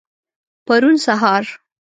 پرون سهار.